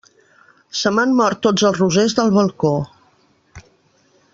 Se m'han mort tots els rosers del balcó.